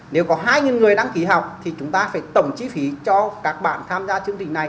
nếu có hai người đăng ký học thì chúng ta phải tổng chi phí cho các bạn tham gia chương trình này